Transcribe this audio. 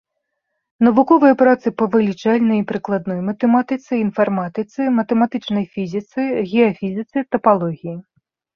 Навуковыя працы па вылічальнай і прыкладной матэматыцы, інфарматыцы, матэматычнай фізіцы, геафізіцы, тапалогіі.